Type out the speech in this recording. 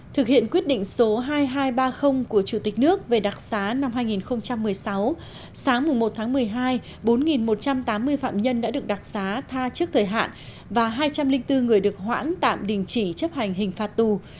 thực hiện quyết định số hai nghìn hai trăm ba mươi của chủ tịch nước về đặc xá năm hai nghìn một mươi sáu sáng một tháng một mươi hai bốn một trăm tám mươi phạm nhân đã được đặc xá tha trước thời hạn và hai trăm linh bốn người được hoãn tạm đình chỉ chấp hành hình phạt tù